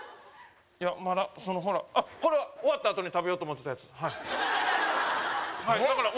いやまだそのほらあこれは終わったあとに食べようと思ってたやつはいえっ？